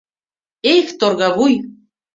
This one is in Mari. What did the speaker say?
— Эх, торгавуй!